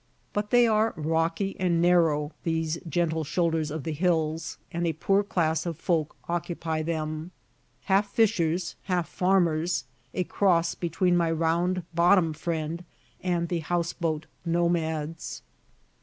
But they are rocky and narrow, these gentle shoulders of the hills, and a poor class of folk occupy them half fishers, half farmers, a cross between my Round Bottom friend and the houseboat nomads.